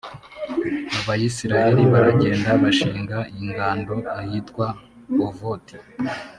abayisraheli baragenda bashinga ingando ahitwa ovoti.